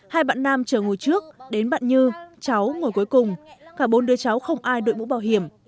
hai bạn nam chờ ngồi trước đến bạn như cháu ngồi cuối cùng cả bốn đứa cháu không ai đội mũ bảo hiểm